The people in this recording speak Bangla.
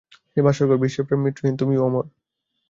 হে বাসরঘর, বিশ্বে প্রেম মৃত্যুহীন, তুমিও অমর।